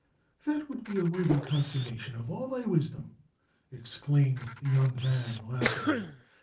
"That would be a worthy consummation of all thy wisdom!" exclaimed the young man, laughing.